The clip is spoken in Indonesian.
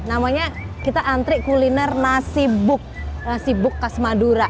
namanya kita antri kuliner nasi buk sibuk khas madura